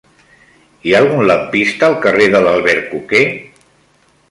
Hi ha algun lampista al carrer de l'Albercoquer?